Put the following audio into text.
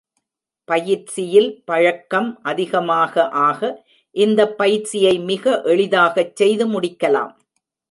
பயிற்சியில் பழக்கம் அதிகமாக ஆக, இந்தப் பயிற்சியை மிக எளிதாகச் செய்து முடிக்கலாம்.